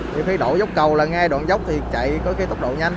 thì khi đổ dốc cầu là nghe đoạn dốc thì chạy có cái tốc độ nhanh